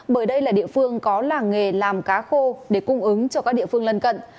bởi đây là địa phương có làng nghề làm cá khô để cung ứng cho các địa phương lân cận